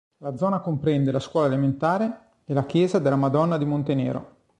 La zona comprende la scuola elementare e la chiesa della Madonna di Montenero.